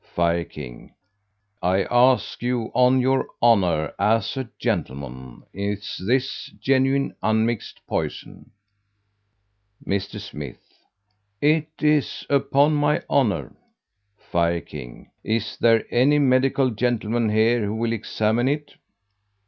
Fire king "I ask you, on your honor as a gentleman, is this genuine unmixed poison?" Mr. Smith "It is, upon my honor." Fire king "Is there any medical gentleman here who will examine it?"